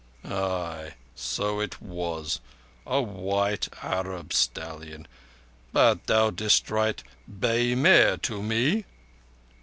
"Ay, so it was. A white Arab stallion. But thou didst write 'bay mare' to me."